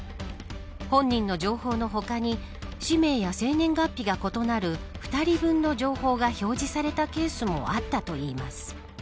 本人の情報の他に氏名や生年月日が異なる２人分の情報が表示されたケースもあったといいます。